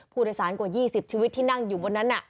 ผู้โดยสารกว่า๒๐ชีวิตที่นั่งอยู่บนนั้น